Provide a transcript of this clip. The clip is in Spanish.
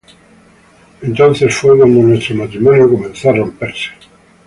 Fue cuando nuestro matrimonio comenzó a romperse.